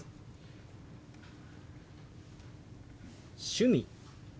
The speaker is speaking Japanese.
「趣味」。